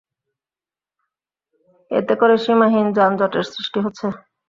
এতে করে সীমাহীন যানজটের সৃষ্টি হচ্ছে।